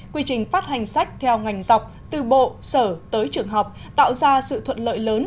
quy trình phát hành sách theo ngành dọc từ bộ sở tới trường học tạo ra sự thuận lợi lớn